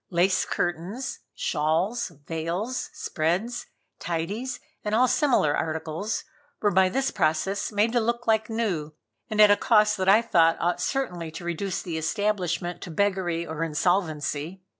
Lace curtains, shawls, veils, spreads, tidies and all similar articles, were by this process made to look like new, and at a cost that I thought ought certainly to reduce the establishment to beggary or insolvency.